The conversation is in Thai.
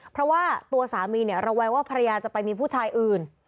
เพราะว่าตัวสามีเนี่ยระแวงว่าภรรยาจะไปมีผู้ชายอื่น